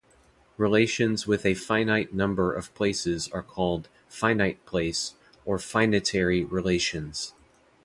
Relations with a finite number of places are called "finite-place" or "finitary" relations.